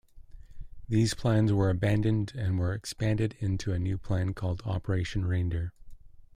These plans were abandoned and were expanded into a new plan called Operation Reindeer.